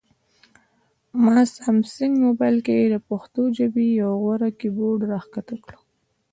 ما سامسنګ مبایل کې د پښتو ژبې یو غوره کیبورډ راښکته کړ